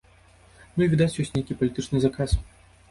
Ну, і, відаць, ёсць нейкі палітычны заказ.